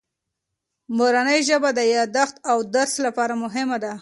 مورنۍ ژبه د یادښت او درس لپاره مهمه ده.